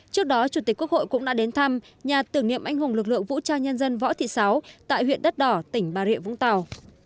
trước đó chủ tịch quốc hội cũng đã đến thăm nhà tưởng niệm anh hùng lực lượng vũ trang nhân dân võ thị sáu tại huyện đất đỏ tỉnh bà rịa vũng tàu